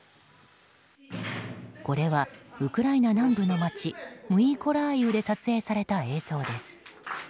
これはウクライナ南部の街ムィコラーイウで撮影された映像です。